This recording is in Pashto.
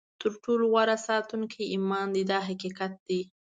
تر ټولو غوره ساتونکی ایمان دی دا حقیقت دی.